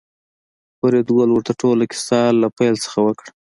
فریدګل ورته ټوله کیسه له پیل څخه وکړه